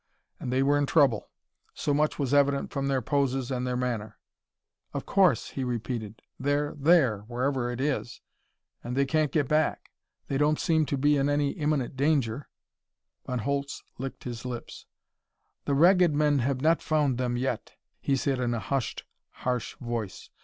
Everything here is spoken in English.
And they were in trouble. So much was evident from their poses and their manner. "Of course," he repeated. "They're there, wherever it is, and they can't get back. They don't seem to be in any imminent danger...." Von Holtz licked his lips. "The Ragged Men have not found them yet," he said in a hushed, harsh voice.